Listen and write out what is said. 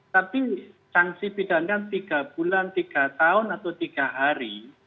tapi sanksi pidana tiga bulan tiga tahun atau tiga hari